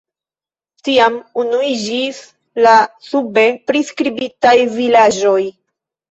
Tiam unuiĝis la sube priskribitaj vilaĝoj.